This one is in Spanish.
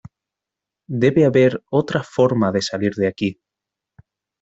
Debe haber otra forma de salir de aquí.